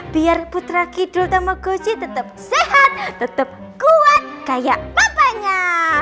biar putra kidul sama kuci tetap sehat tetap kuat kayak papanya